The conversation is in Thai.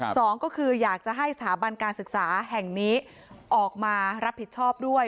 สองก็คืออยากจะให้สถาบันการศึกษาแห่งนี้ออกมารับผิดชอบด้วย